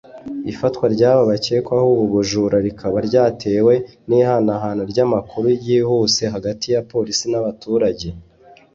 Ifatwa ry’aba bakekwaho ubu bujura rikaba ryatewe n’ihanahana ry’amakuru ryihuse hagati ya polisi n’abaturage